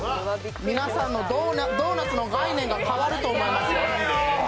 皆さんのドーナツの概念が変わると思います。